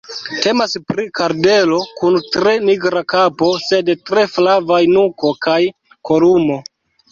Temas pri kardelo kun tre nigra kapo, sed tre flavaj nuko kaj kolumo.